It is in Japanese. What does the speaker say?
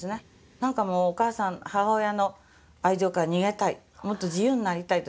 何かもうお母さん母親の愛情から逃げたいもっと自由になりたいと。